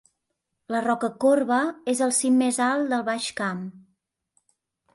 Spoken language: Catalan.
La Rocacorba és el cim més alt del Baix Camp.